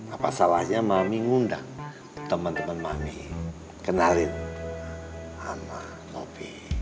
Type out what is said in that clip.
apa salahnya mami ngundang teman teman mami kenalin sama mobi